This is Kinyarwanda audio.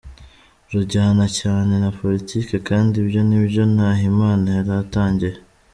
Rujyana cyane na politiki kandi ibyo nibyo Nahimana yari atangiye.